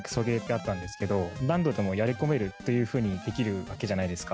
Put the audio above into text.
あったんですけど何度でもやり込めるというふうにできるわけじゃないですか。